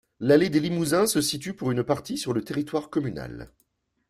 L'allée des Limousins se situe pour une partie sur le territoire communal.